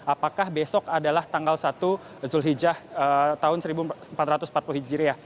apakah besok adalah tanggal satu zulhijjah tahun seribu empat ratus empat puluh hijriah